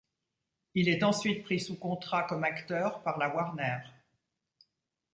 Il est ensuite pris sous contrat comme acteur par la Warner.